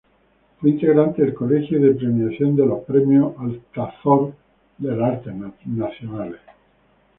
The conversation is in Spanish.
Fue integrante del Colegio de premiación de los Premio Altazor de las Artes Nacionales.